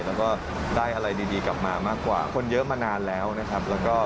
แล้วก็ได้อะไรดีกลับมามากกว่าคนเยอะมานานแล้วนะครับ